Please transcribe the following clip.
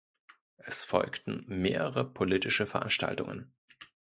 Es folgten mehrere politische Veranstaltungen.